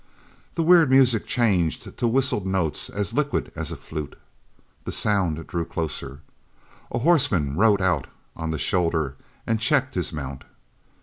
The weird music changed to whistled notes as liquid as a flute. The sound drew closer. A horseman rode out on the shoulder and checked his mount.